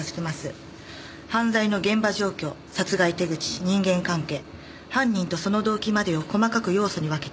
犯罪の現場状況殺害手口人間関係犯人とその動機までを細かく要素に分けて。